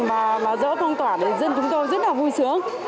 mà dỡ phong tỏa thì dân chúng tôi rất là vui sướng